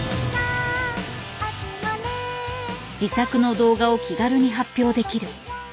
自作の動画を気軽に発表できる。